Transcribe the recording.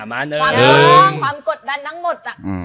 ความกดดันทั้งหมด